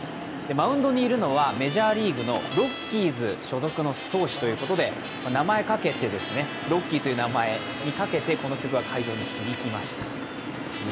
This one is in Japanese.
マウンドにいるのはメジャーリーグのロッキーズ所属の選手ということで、ロッキーという名前をかけてこの曲が会場に響きました。